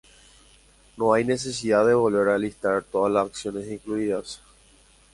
No hay necesidad de volver a listar todas las acciones incluidas.